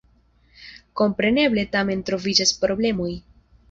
Kompreneble tamen troviĝas problemoj.